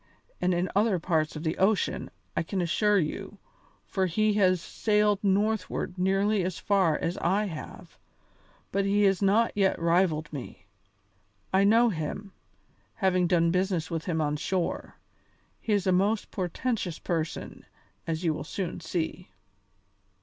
and in other parts of the ocean, I can assure you, for he has sailed northward nearly as far as I have, but he has not yet rivalled me. I know him, having done business with him on shore. He is a most portentous person, as you will soon see."